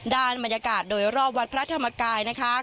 บรรยากาศโดยรอบวัดพระธรรมกายนะคะ